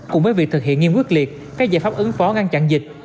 cùng với việc thực hiện nghiêm quyết liệt các giải pháp ứng phó ngăn chặn dịch